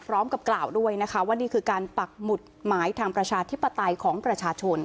พร้อมกับกล่าวด้วยนะคะว่านี่คือการปักหมุดหมายทางประชาธิปไตยของประชาชน